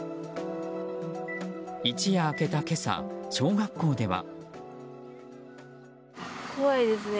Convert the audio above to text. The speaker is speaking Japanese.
一夜明けた今朝、小学校では。